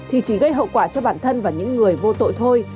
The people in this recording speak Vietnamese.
hậu quả cho bản thân và những người vô tội thôi